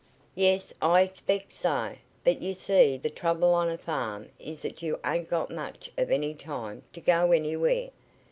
"Yes, I expect so; but you see th' trouble on a farm is that you ain't got much of any time t' go anywhere.